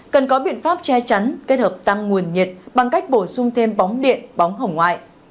cần có biện pháp che chắn kết hợp tăng nguồn nhiệt bằng cách bổ sung thêm bóng điện bóng hồng ngoại